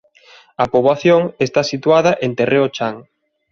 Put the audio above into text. A poboación está situada en terreo chan.